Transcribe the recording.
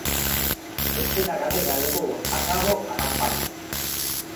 Escena Galega levou a cabo a campaña.